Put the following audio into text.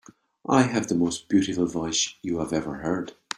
I have the most beautiful voice you have ever heard.